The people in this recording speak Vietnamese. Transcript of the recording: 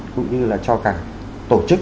cũng như là cho cả tổ chức